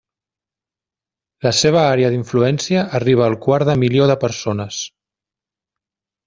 La seva àrea d'influència arriba al quart de milió de persones.